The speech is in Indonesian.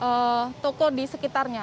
sejumlah toko di sekitarnya